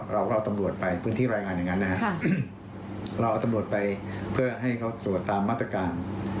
เราเอาตำรวจไปเพื่อให้เขาตรวจตามมาตรการ